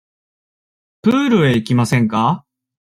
プールへ行きませんか。